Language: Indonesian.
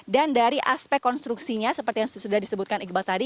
dan dari aspek konstruksinya seperti yang sudah disebutkan iqbal tadi